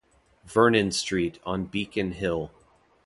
Vernon Street on Beacon Hill.